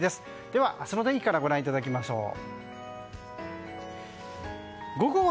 では、明日の天気からご覧いただきましょう。